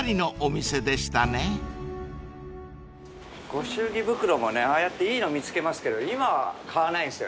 ご祝儀袋もねああやっていいの見つけますけど今は買わないんすよね。